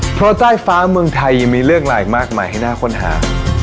เพราะใต้ฟ้าเมืองไทยยังมีเรื่องราวอีกมากมายให้น่าค้นหา